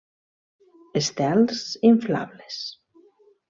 Estels inflables: